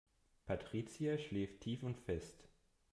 Patricia schläft tief und fest.